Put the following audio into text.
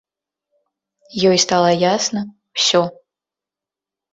Ёй стала ясна ўсё.